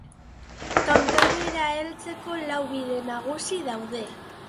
Tontorrera heltzeko lau bide nagusi daude.